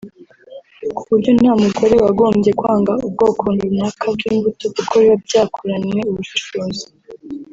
ku buryo nta muturage wagombye kwanga ubwoko runaka bw’imbuto kuko biba byakoranywe ubushishozi